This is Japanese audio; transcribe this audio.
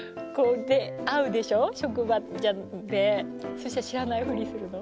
そしたら知らないふりするの？